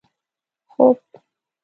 خوب